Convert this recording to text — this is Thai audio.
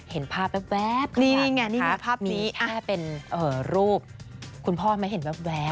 เห็นภาพแวบนี่ไงภาพนี้มีแค่เป็นรูปคุณพ่อมันน่ะเว้ย